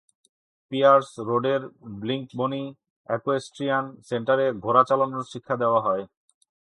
Pears রোডের Blinkbonny equestrian সেন্টারে ঘোড়া চালানোর শিক্ষা দেওয়া হয়।